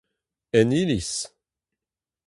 En iliz !